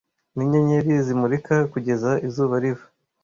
Ninyenyeri zimurika kugeza izuba riva .